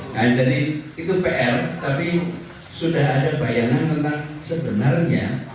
nah jadi itu pr tapi sudah ada bayangan tentang sebenarnya